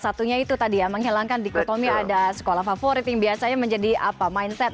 satunya itu tadi ya menghilangkan dikotomi ada sekolah favorit yang biasanya menjadi apa mindset